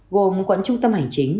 gồm quận trung tâm hành chính